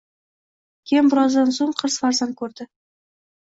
Kelin birozdan so`ng qiz farzand ko`rdi